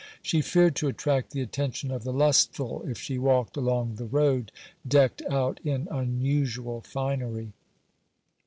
She feared to attract the attention of the lustful, if she walked along the road decked out in unusual finery.